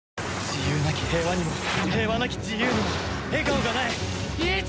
自由なき平和にも平和なき自由にも笑顔がない。